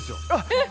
えっ！